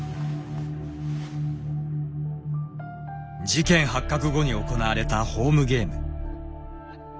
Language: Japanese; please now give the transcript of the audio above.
事件発覚後に行われたホームゲーム。